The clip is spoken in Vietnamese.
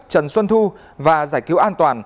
trần xuân thu và giải cứu an toàn